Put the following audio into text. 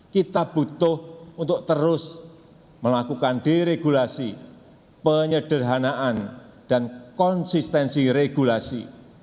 kita butuh untuk terus melakukan deregulasi penyederhanaan dan konsistensi regulasi